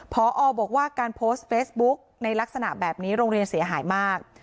พอบอกว่าการโพสต์เฟซบุ๊กในลักษณะแบบนี้โรงเรียนเสียหายมาก